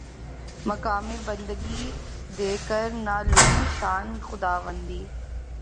مقام بندگی دے کر نہ لوں شان خداوندی